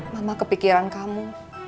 mama kepikiran kamu